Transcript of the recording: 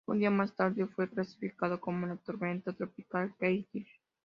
Un día más tarde fue clasificado como la tormenta tropical Keith.